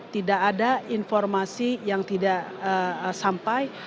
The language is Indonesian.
tidak ada informasi yang tidak sampai